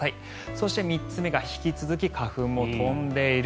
そして、３つ目が引き続き花粉も飛んでいる。